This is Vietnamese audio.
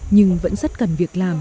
nhưng vẫn rất cần việc làm